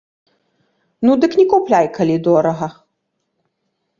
Ну, дык не купляй, калі дорага.